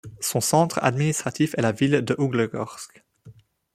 Son centre administratif est la ville de Ouglegorsk.